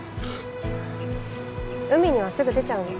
海にはすぐ出ちゃうの？